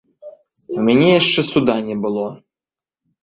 У мяне яшчэ суда не было.